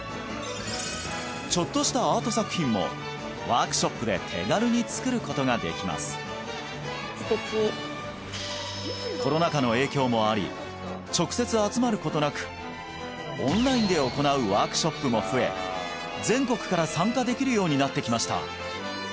ちょっとしたアート作品も素敵コロナ禍の影響もあり直接集まることなくオンラインで行うワークショップも増え全国から参加できるようになってきました